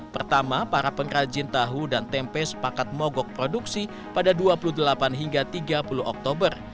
pertama para pengrajin tahu dan tempe sepakat mogok produksi pada dua puluh delapan hingga tiga puluh oktober